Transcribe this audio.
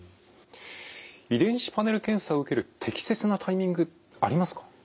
遺伝子パネル検査を受ける適切なタイミングありますか？